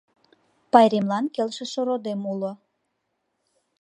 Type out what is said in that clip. Пайремлан келшыше родем уло.